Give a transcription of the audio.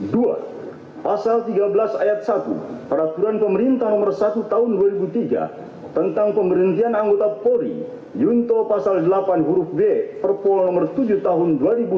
dua pasal tiga belas ayat satu peraturan pemerintah nomor satu tahun dua ribu tiga tentang pemberhentian anggota polri yunto pasal delapan huruf d perpol nomor tujuh tahun dua ribu dua puluh